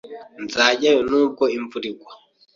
Nzajyayo nubwo imvura yagwa.